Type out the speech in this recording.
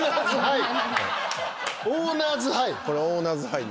オーナーズハイ？